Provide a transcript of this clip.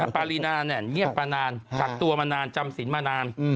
ปารีนาเนี่ยเงียบมานานกักตัวมานานจำสินมานาน